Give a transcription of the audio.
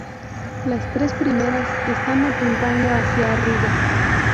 Las tres primeras están apuntando hacia arriba.